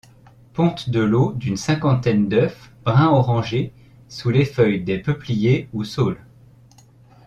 Ponte de lots d'une cinquantaine d'œufs brun-orangé sous les feuilles des peupliers ou saules.